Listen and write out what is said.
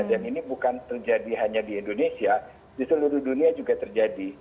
dan ini bukan terjadi hanya di indonesia di seluruh dunia juga terjadi